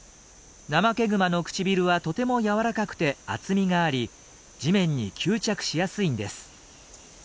ナマケグマの唇はとても柔らかくて厚みがあり地面に吸着しやすいんです。